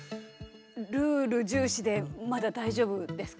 ルール重視でまだ大丈夫ですか？